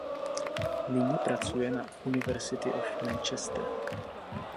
Nyní pracuje na University of Manchester.